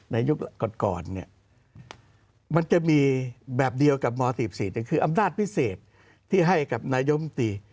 ยุคก่อนเนี่ยมันจะมีแบบเดียวกับม๔๔คืออำนาจพิเศษที่ให้กับนายมตรี